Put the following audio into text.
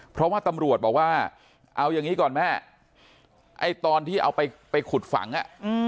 เพราะว่าตำรวจบอกว่าเอาอย่างนี้ก่อนแม่ไอ้ตอนที่เอาไปขุดฝังอ่ะ